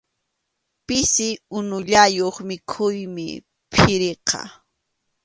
Pisi unullayuq mikhuymi phiriqa.